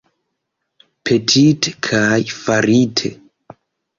Petite kaj farite!